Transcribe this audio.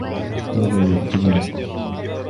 هذا يعجبني.